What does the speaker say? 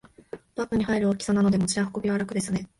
バッグに入る大きさなので持ち運びは楽ですね